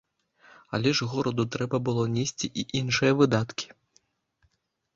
Але ж гораду трэба было несці і іншыя выдаткі.